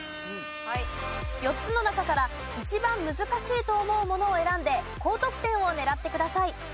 ４つの中から一番難しいと思うものを選んで高得点を狙ってください。